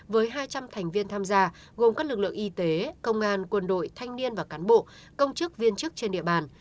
với hai trăm linh thành viên tham gia gồm các lực lượng y tế công an quân đội thanh niên và cán bộ công chức viên chức trên địa bàn